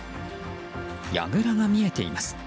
やぐらが見えています。